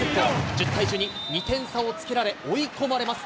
１０対１２、２点差をつけられ、追い込まれます。